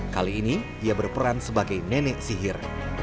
kali ini ia berperan sebagai nenek sihir